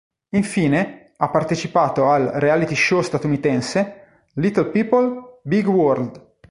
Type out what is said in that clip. Infine, ha partecipato al reality show statunitense "Little People, Big World".